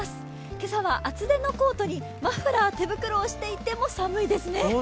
今朝は厚手のコートにマフラー、手袋をしていても寒いですね。